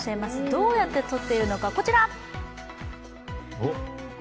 どうやって撮っているのか、こちら！